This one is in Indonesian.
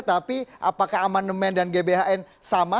tapi apakah amandemen dan gbhn sama